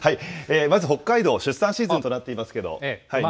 まず北海道、出産シーズンとなっていますけれども。